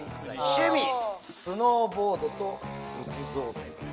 趣味スノーボードと仏像巡り。